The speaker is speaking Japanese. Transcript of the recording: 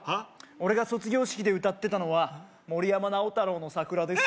俺が卒業式で歌ってたのは森山直太朗の「さくら」です